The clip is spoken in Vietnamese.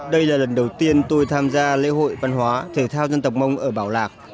đây là lần đầu tiên tôi tham gia lễ hội văn hóa thể thao dân tộc mông ở bảo lạc